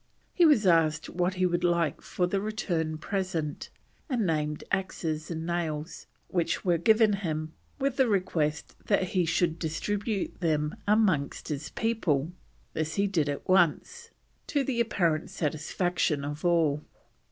He was asked what he would like for the return present, and named axes and nails, which were given him with the request that he would distribute them amongst his people; this he at once did, to the apparent satisfaction of all.